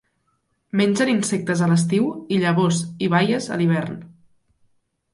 Mengen insectes a l'estiu i llavors i baies a l'hivern.